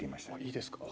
いいですか？